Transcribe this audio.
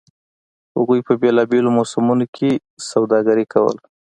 هغوی په بېلابېلو موسمونو کې سوداګري کوله